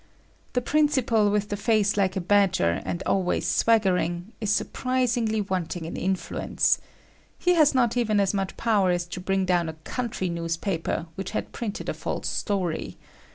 The principal, with the face like a badger and always swaggering, is surprisingly, wanting in influence. He has not even as much power as to bring down a country newspaper, which had printed a false story.